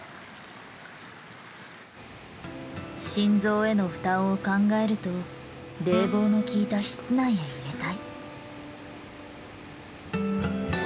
心臓への負担を考えると冷房の効いた室内へ入れたい。